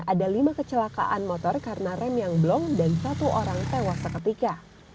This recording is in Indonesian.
ada lima kecelakaan motor karena rem yang blong dan satu orang tewas seketika